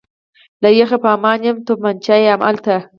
له یخه به په امان یم، تومانچه یې همالته.